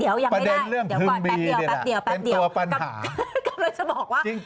เดี๋ยวยังไม่ได้เป็นตัวปัญหากำลังจะบอกว่าเดี๋ยวประเด็นเรื่องพึงมี